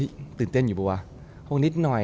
เฮ้ยตื่นเต้นอยู่ป่ะว่ะเขานิดหน่อย